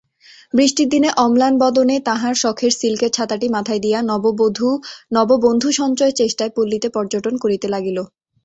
বৃষ্টির দিনে অম্লানবদনে তাঁহার শখের সিল্কের ছাতাটি মাথায় দিয়া নববন্ধুসঞ্চয়চেষ্টায় পল্লীতে পর্যটন করিতে লাগিল।